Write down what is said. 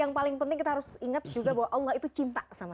yang paling penting kita harus ingat juga bahwa allah itu cinta sama